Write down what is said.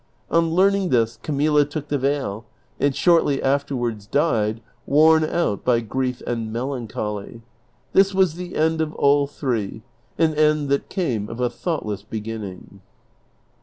On learning this Camilla took the veil, and shortly afterwards died, worn out by grief and melancholy. This was the end of all three, an end that came of a thoughtless beginning.